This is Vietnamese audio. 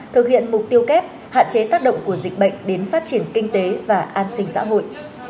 thực hiện mục tiêu kép hạn chế tác động của dịch bệnh đến phát triển kinh tế và an sinh xã hội